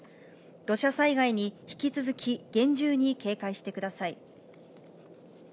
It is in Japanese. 土砂災害に引き続き厳重に警戒してください。